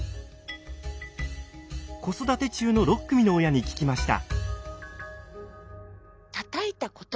子育て中の６組の親に聞きました。